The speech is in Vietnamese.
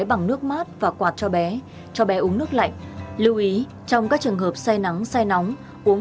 bằng nước mát và quạt cho bé cho bé uống nước lạnh lưu ý trong các trường hợp say nắng say nóng uống